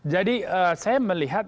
jadi saya melihat